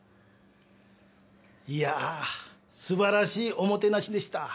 いやあ素晴らしいおもてなしでした。